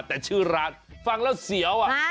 แต่ชื่อร้านฟังแล้วเสียว